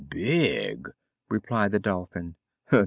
"Big!" replied the Dolphin.